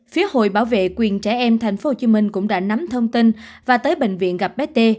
phía hội bảo vệ quyền trẻ em tp hcm cũng đã nắm thông tin và tới bệnh viện gặp bét